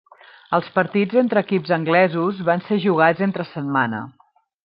Els partits entre equips anglesos van ser jugats entre setmana.